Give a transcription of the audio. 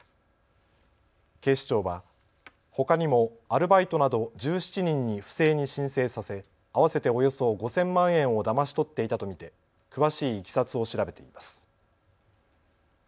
警視庁はほかにもアルバイトなど１７人に不正に申請させ合わせておよそ５０００万円をだまし取っていたと見て詳しいいきさつを調べています。